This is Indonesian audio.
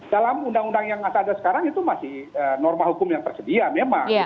dalam undang undang yang ada sekarang itu masih norma hukum yang tersedia memang